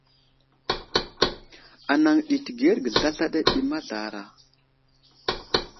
Anaŋ ɗi təgerge zlazla ɗi mazlara.